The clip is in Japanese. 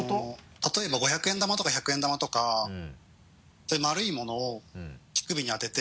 例えば５００円玉とか１００円玉とかそういう丸いものを乳首に当てて。